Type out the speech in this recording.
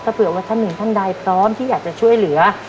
เผื่อว่าท่านหนึ่งท่านใดพร้อมที่อยากจะช่วยเหลือ